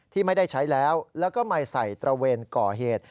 ที่ไม่ได้ใช้แล้วแล้วก็ไม่ใส่ตระเวนก่อเหตุ